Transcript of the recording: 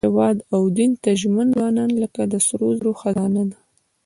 هېواد او دین ته ژمن ځوانان لکه د سرو زرو خزانه دي.